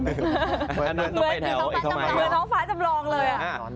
เหมือนท้องฟ้าจำลองเลย